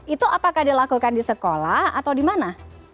itu apakah dilakukan di sekolah atau di mana